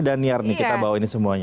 ini danyar nih kita bawa ini semuanya